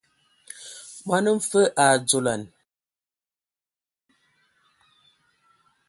Mɔn mfǝ a dzolan.